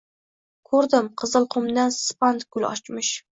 Ko‘rdim, Qizilhumdan sipand gul ochmish